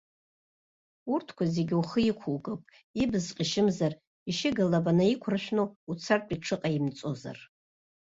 Урҭқәа зегьы ухы иқәукып, ибз ҟьышьымзар, ишьыга лаба наиқәыршәны уцартә иҽыҟаимҵозар.